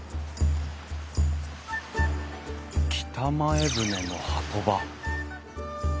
北前船の波止場。